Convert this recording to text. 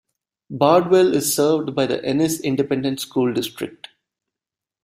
Bardwell is served by the Ennis Independent School District.